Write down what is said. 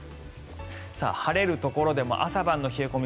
晴れるところでも朝晩の冷え込み